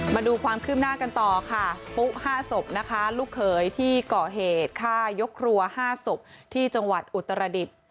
มาดูความคืบหน้ากันต่อค่ะปุ๊๕ศพนะคะลูกเขยที่ก่อเหตุฆ่ายกครัว๕ศพที่จังหวัดอุตรดิษฐ์